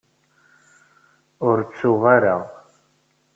Ur ttuɣ ara.